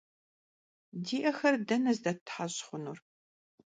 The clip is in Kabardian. Di'exer dene zdettheş' xhunur?